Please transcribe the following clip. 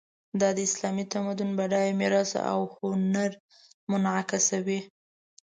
دا د اسلامي تمدن بډایه میراث او هنر منعکسوي.